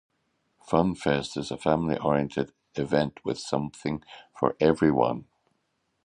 FunFest is a family-oriented event with something for everyone.